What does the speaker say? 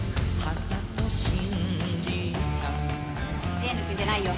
手抜くんじゃないよ。